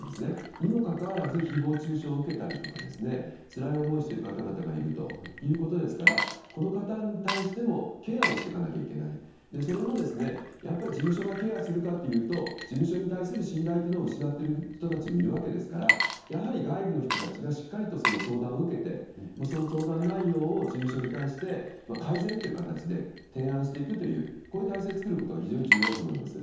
にもかかわらず誹謗中傷を受けたりとかつらい思いをしている方々いるということですからこの方に対してもケアをしていかなければならないそれも事務所がケアするかというと事務所に対する信頼を失っている人たちもいるわけですからやはり外部の人たちがしっかり相談を受けてその相談内容を事務所に対して改善という形で提案していくという体制を作ることが重要だと思います。